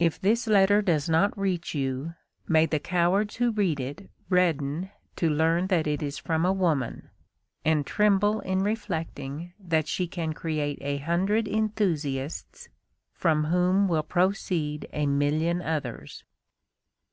"If this letter does not reach you, may the cowards who read it redden to learn that it is from a woman, and tremble in reflecting that she can create a hundred enthusiasts from whom will proceed a million others."